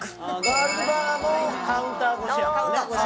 ガールズバーもカウンター越しやもんね。